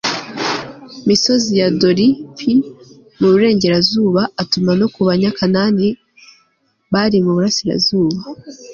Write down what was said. misozi ya Dori p mu burengerazuba atuma no ku Banyakanani r bari mu burasirazuba